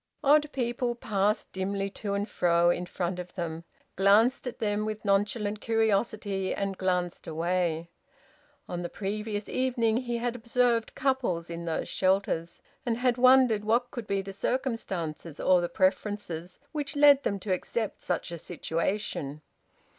Odd people passed dimly to and fro in front of them, glanced at them with nonchalant curiosity, and glanced away. On the previous evening he had observed couples in those shelters, and had wondered what could be the circumstances or the preferences which led them to accept such a situation.